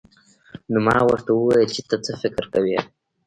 نو ما ورته وويل چې ته څه فکر کوې.